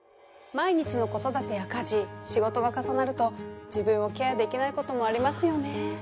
毎日の子育てや家事仕事が重なると自分をケア出来ていないこともありますよね